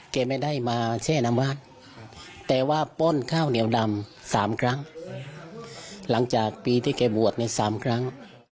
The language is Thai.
แกไม่ได้มาแช่น้ำวัดแต่ว่าป้นข้าวเหนียวดำ๓ครั้งหลังจากปีที่แกบวชใน๓ครั้ง